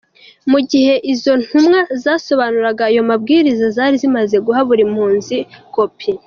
Mu gihe izo ntumwa zasobanuraga ayo mabwiriza zari zimaze guha buri mpunzi kopi.